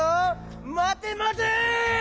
まてまて！